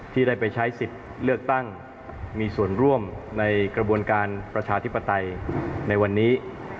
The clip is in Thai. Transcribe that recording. ที่ได้ไปใช้สิทธิ์เลือกตั้งมีส่วนร่วมในกระบวนการประชาธิปไตยในวันนี้